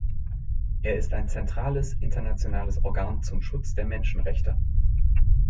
Er ist ein zentrales, internationales Organ zum Schutz der Menschenrechte.